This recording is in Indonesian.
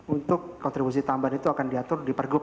untuk kontribusi tambahan itu akan diatur di per gub